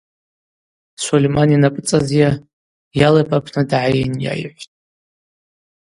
Сольман йнапӏыцӏазйа, йалып апны дгӏайын йайхӏвтӏ.